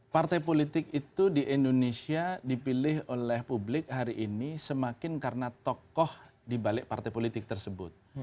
partai politik itu di indonesia dipilih oleh publik hari ini semakin karena tokoh dibalik partai politik tersebut